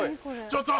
ちょっと！